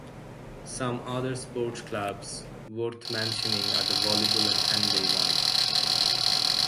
Some other sport clubs worth mentioning are the volleyball and handball one.